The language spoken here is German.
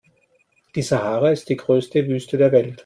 Die Sahara ist die größte Wüste der Welt.